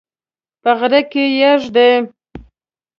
په غره کې یږي دي